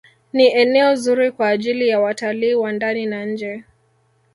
Ni eneo zuri kwa ajili ya watalii wa ndani na nje